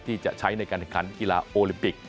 ที่จะใช้ในการแข่งขันกีฬาโอลิมปิก